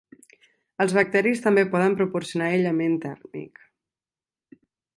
Els bacteris també poden proporcionar aïllament tèrmic.